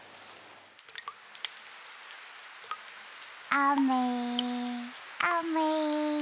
あめあめ。